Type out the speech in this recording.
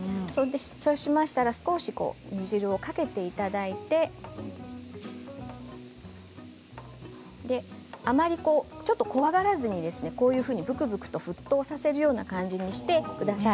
そうしましたら少し煮汁をかけていただいてあまり怖がらずにこういうふうにブクブクと沸騰させるような感じにしてください。